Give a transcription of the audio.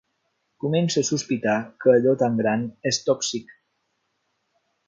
Comença a sospitar que allò tan gran és tòxic.